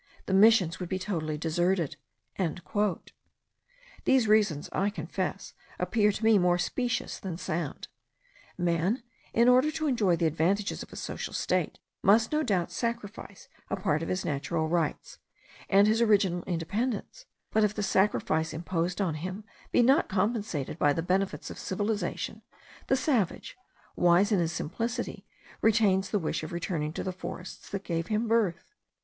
The Missions would be totally deserted." These reasons, I confess, appeared to me more specious than sound. Man, in order to enjoy the advantages of a social state, must no doubt sacrifice a part of his natural rights, and his original independence; but, if the sacrifice imposed on him be not compensated by the benefits of civilization, the savage, wise in his simplicity, retains the wish of returning to the forests that gave him birth.